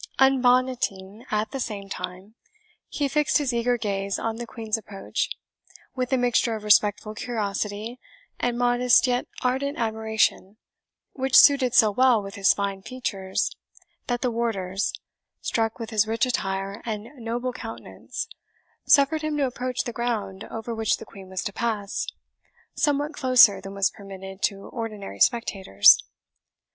Unbonneting at the same time, he fixed his eager gaze on the Queen's approach, with a mixture of respectful curiosity and modest yet ardent admiration, which suited so well with his fine features that the warders, struck with his rich attire and noble countenance, suffered him to approach the ground over which the Queen was to pass, somewhat closer than was permitted to ordinary spectators.